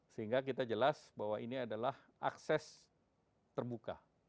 sehingga kita jelas bahwa ini adalah akses terbuka